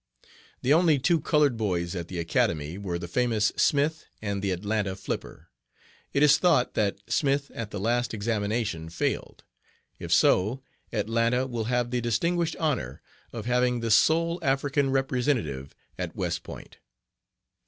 "'The only two colored boys at the Academy were the famous Smith and the Atlanta Flipper. It is thought that Smith at the last examination failed. If so, Atlanta will have the distinguished honor of having the sole African representative at West Point.